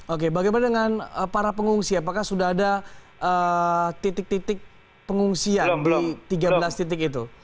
oke bagaimana dengan para pengungsi apakah sudah ada titik titik pengungsian di tiga belas titik itu